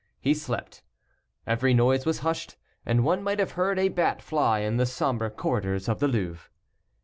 He slept. Every noise was hushed, and one might have heard a bat fly in the somber corridors of the Louvre.